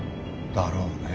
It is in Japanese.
だろうね。